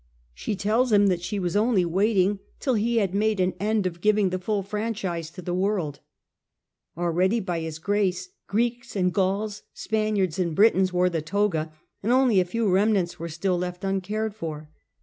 She tells him that she was only waiting till he had made an end of giving the full franchise to the world. Already by his grace Greeks and Gauls, Spaniards and Britons wore the toga, and only a few remnants were still left uncared for.